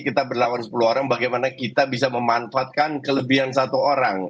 kita berlawan sepuluh orang bagaimana kita bisa memanfaatkan kelebihan satu orang